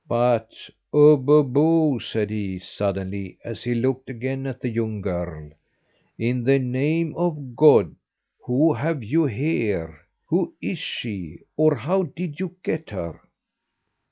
But ubbubboo!" said he, suddenly, as he looked again at the young girl, "in the name of God, who have you here? Who is she, or how did you get her?"